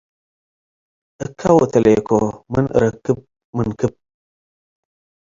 እከ ወታሌኮ - ምን እረክብ ምንክብ